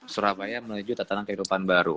surabaya menuju tatanan kehidupan baru